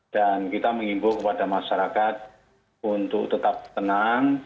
dan kita mengimbuk kepada masyarakat untuk tetap tenang